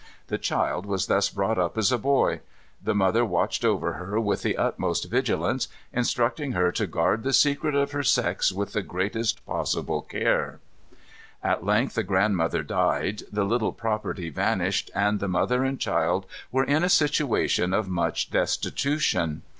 The child was thus brought up as a boy. The mother watched over her with the utmost vigilance, instructing her to guard the secret of her sex with the greatest possible care. At length the grandmother died: the little property vanished, and the mother and child were in a situation of much destitution.